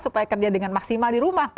supaya kerja dengan maksimal di rumah